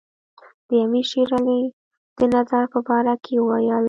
د امیر شېر علي د نظر په باره کې وویل.